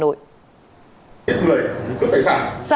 một mươi người cướp tài sản